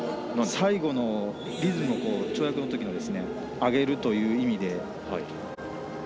最後のリズム跳躍のとき上げるという意味で。